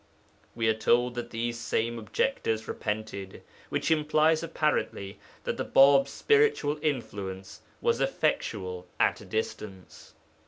We are told that these same objectors repented, which implies apparently that the Bāb's spiritual influence was effectual at a distance.